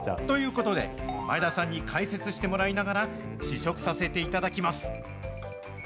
ということで、前田さんに解説してもらいながら、試食させていただきます。